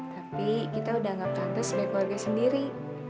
tapi kita sudah menganggap tante sebagai keluarga sendiri